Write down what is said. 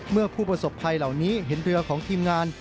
เมื่อผู้ประสบภัยเหล่านี้เห็นเรือของทีมงาน